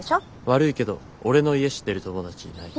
悪いけど俺の家知ってる友達いない。